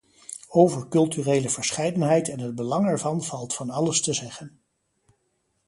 Over culturele verscheidenheid en het belang ervan valt van alles te zeggen.